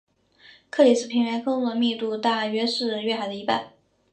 克里斯平原坑洞的密度大约是月海的一半。